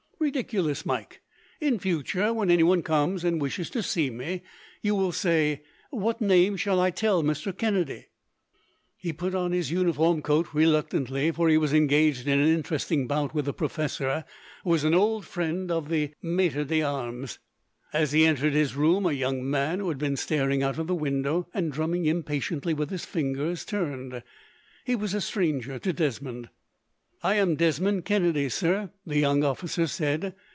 "Ridiculous, Mike! In future, when anyone comes and wishes to see me, you will say, 'What name shall I tell Mr. Kennedy?'" He put on his uniform coat reluctantly, for he was engaged in an interesting bout with a professor, who was an old friend of the maitre d'armes. As he entered his room, a young man, who had been staring out of the window, and drumming impatiently with his fingers, turned. He was a stranger to Desmond. "I am Desmond Kennedy, sir," the young officer said.